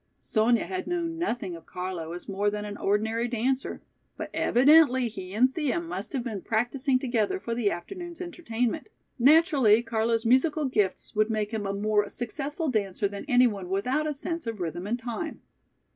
Sonya had known nothing of Carlo as more than an ordinary dancer, but evidently he and Thea must have been practicing together for the afternoon's entertainment. Naturally, Carlo's musical gifts would make him a more successful dancer than anyone without a sense of rhythm and time.